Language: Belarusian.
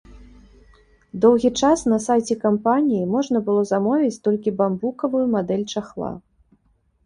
Доўгі час на сайце кампаніі можна было замовіць толькі бамбукавую мадэль чахла.